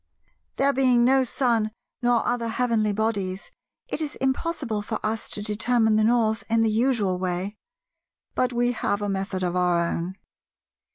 There being no sun nor other heavenly bodies, it is impossible for us to determine the North in the usual way; but we have a method of our own.